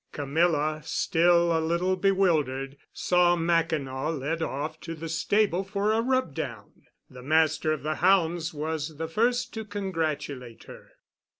Camilla, still a little bewildered, saw Mackinaw led off to the stable for a rub down. The Master of the Hounds was the first to congratulate her.